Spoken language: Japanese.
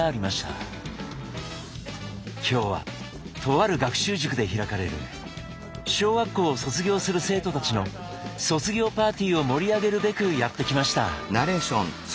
今日はとある学習塾で開かれる小学校を卒業する生徒たちの卒業パーティーを盛り上げるべくやって来ました。